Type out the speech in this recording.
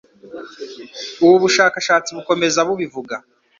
Ubu bushakashatsi bukomeza bubivuga